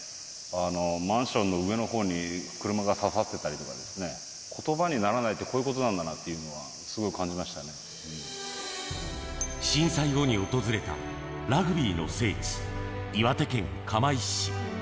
マンションの上のほうに車が刺さってたりとかですね、ことばにならないってこういうことなんだなっていうのは、すごい感じました震災後に訪れたラグビーの聖地、岩手県釜石市。